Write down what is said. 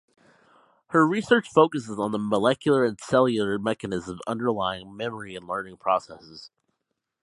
Her research focusses on the molecular and cellular mechanisms underlying memory and learning processes.